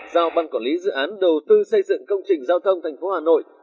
giao ban quản lý dự án đầu tư xây dựng công trình giao thông thành phố hà nội